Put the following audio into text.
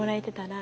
あ！